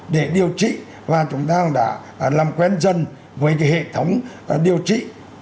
để điều trị và chúng ta cũng đã làm quen dân với cái hệ thống điều trị